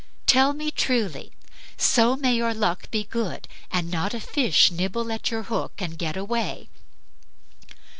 Tell me truly; so may your luck be good and not a fish nibble at your hook and get away."